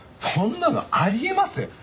そんなのあり得ます？